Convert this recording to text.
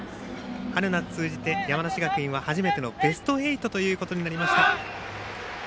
春夏通じて山梨学院は初めてのベスト８ということになりました。